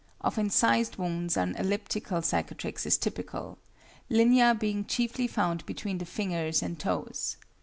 Of incised wounds an elliptical cicatrix is typical, linear being chiefly found between the fingers and toes.